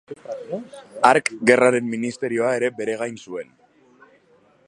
Hark Gerraren Ministerioa ere bere gain zuen.